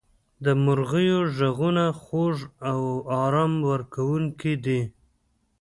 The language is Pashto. • د مرغیو ږغونه خوږ او آرام ورکوونکي دي.